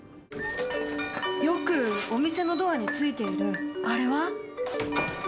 よくお店のドアについているあれは？